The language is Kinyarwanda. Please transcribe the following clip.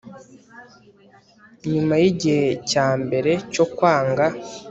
Nyuma yigihe cyambere cyo kwanga